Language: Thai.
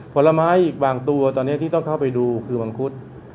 ผลไม้อีกบางตัวตอนนี้ที่ต้องเข้าไปดูคือมังคุด